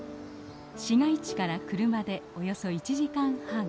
市街地から車でおよそ１時間半